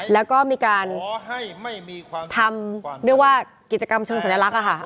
และก็มีการทำอะไรว่ากิจกรรมเชิงของพระเจ้าชนิดด้านล่าง